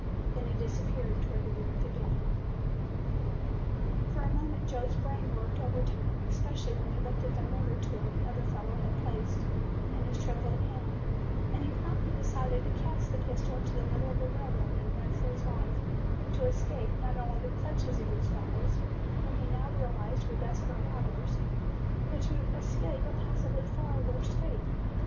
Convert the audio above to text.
Then he disappeared towards the rear of the building. For a moment Joe's brain worked overtime, especially when he looked at the murder tool the other fellow had placed into his trembling hand and he promptly decided to cast the pistol into the middle of the roadway and run for his life to escape not only the clutches of these fellows, whom he now realized were desperate robbers, but to escape a possibly far worse fate.